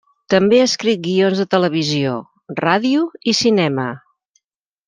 També ha escrit guions de televisió, ràdio i cinema.